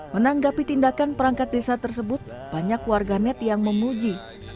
menanggapi tindakan perangkat desa tersebut banyak warganet yang memuji